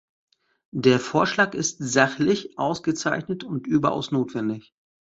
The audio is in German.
Der Vorschlag ist sachlich ausgezeichnet und überaus notwendig.